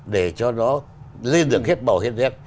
để cho nó lên được hết bầu hết nét